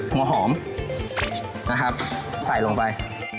หัวหอมนะครับใส่ลงไป